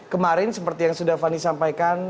kemarin seperti yang sudah fanny sampaikan